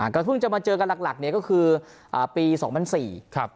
ก็เพิ่งจะมาเจอกันหลักเนี่ยก็คือปีสองพันสี่ครับ